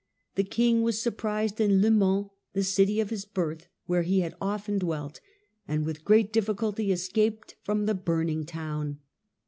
The king was surprised in Le Mans, the city of his birth, where he had often dwelt, and with great difficulty escaped from the burning town.